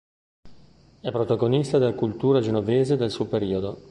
È protagonista della cultura genovese del suo periodo.